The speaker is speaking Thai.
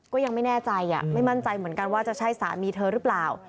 ก็ยังไม่แน่ใจไม่มั่นใจเหมือนกันว่าจะใช่สามีเธอหรือเปล่า